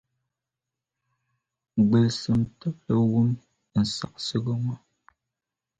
Gbilisim tibili wum n saɣisigu ŋo.